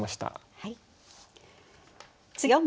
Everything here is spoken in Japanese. はい。